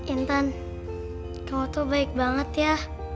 intan kamu tuh baik banget ya